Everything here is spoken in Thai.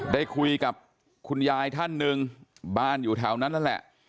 ได้คุยกับคุณยายท่านหนึ่งบ้านอยู่แถวนั้นนั่นแหละ